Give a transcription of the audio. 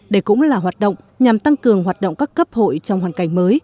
đây cũng là hoạt động nhằm tăng cường hoạt động các cấp hội trong hoàn cảnh mới